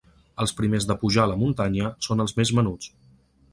Els primers de pujar a la muntanya són els més menuts.